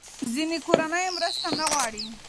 ځینې کورنۍ مرسته نه غواړي.